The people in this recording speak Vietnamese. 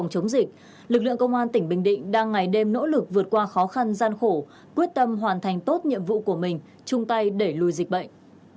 các bạn hãy tự tâm hoàn thành tốt nhiệm vụ của mình chung tay để lùi dịch bệnh